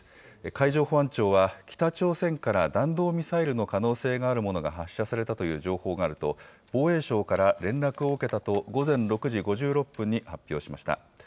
海上保安庁は、北朝鮮から弾道ミサイルの可能性があるものが発射されたという情報があると、防衛省から連絡を受けたと、午前６時５６分に発表しました。